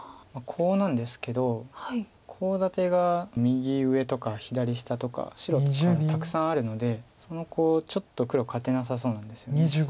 コウなんですけどコウ立てが右上とか左下とか白からはたくさんあるのでそのコウをちょっと黒勝てなさそうなんですよね。